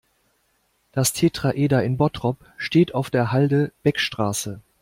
Das Tetraeder in Bottrop steht auf der Halde Beckstraße.